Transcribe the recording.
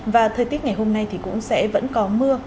và thời tiết ngày hôm nay thì cũng sẽ vẫn có mưa